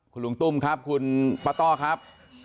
คุณลุงตุ้มครับคุณป้าต้อครับ